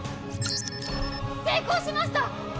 成功しました！